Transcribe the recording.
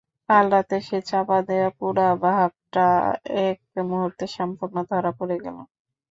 কাল রাত্রে সেই চাপা-দেওয়া পরাভবটা এক মুহূর্তে সম্পূর্ণ ধরা পড়ে গেল।